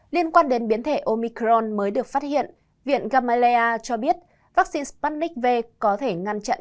liên quan đến biến thể omicron mới được phát hiện viện gamaleya cho biết vaccine spartnik v có thể ngăn chặn